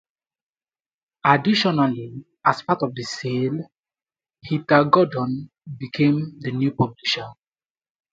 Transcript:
Additionally, as part of the sale, Heather Gordon became the new publisher.